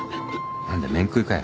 何だ面食いかよ。